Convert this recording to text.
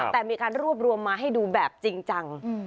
แต่มีการรวบรวมมาให้ดูแบบจริงจัง